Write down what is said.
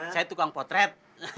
saya tukang potret